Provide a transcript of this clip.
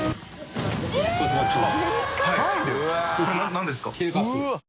何ですか？